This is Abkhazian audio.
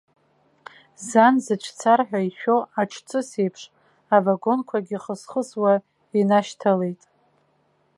Зан зыцәцар ҳәа ишәо аҽҵыс еиԥш, авагонқәагьы хысхысуа инашьҭалеит.